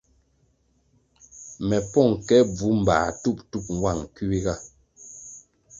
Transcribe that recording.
Me pong ke bvu mbā tup-tup nwang kuiga.